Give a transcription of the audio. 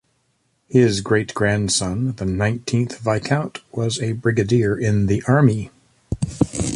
His great-grandson, the nineteenth Viscount, was a Brigadier in the Army.